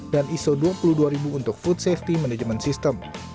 dan iso dua puluh dua ribu untuk food safety management system